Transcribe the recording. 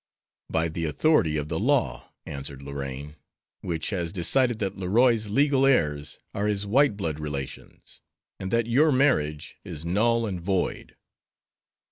"By the authority of the law," answered Lorraine, "which has decided that Leroy's legal heirs are his white blood relations, and that your marriage is null and void."